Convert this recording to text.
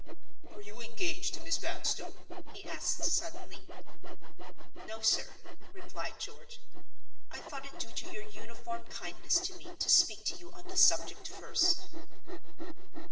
"Are you engaged to Miss Vanstone?" he asked, suddenly. "No, sir," replied George. "I thought it due to your uniform kindness to me to speak to you on the subject first."